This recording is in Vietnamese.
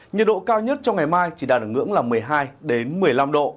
nhiệt độ cao nhất trong ngày mai chỉ đạt được ngưỡng là một mươi hai một mươi năm độ